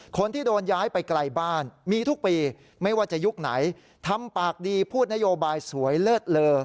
คนที่โดนย้ายไปไกลบ้านมีทุกปีไม่ว่าจะยุคไหนทำปากดีพูดนโยบายสวยเลิศเลอ